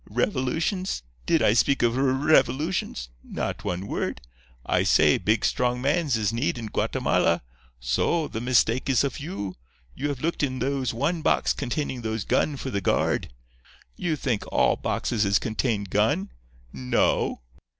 Revolutions? Did I speak of r r revolutions? Not one word. I say, big, strong mans is need in Guatemala. So. The mistake is of you. You have looked in those one box containing those gun for the guard. You think all boxes is contain gun? No.